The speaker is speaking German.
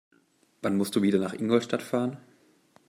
Wann musst du wieder nach Ingolstadt fahren?